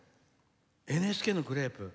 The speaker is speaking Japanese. ＮＨＫのグレープ。